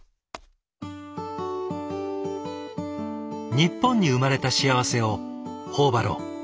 日本に生まれた幸せを頬張ろう。